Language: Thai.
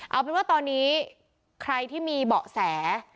เอาเป็นว่าตอนนี้ใครที่มีเบาะแส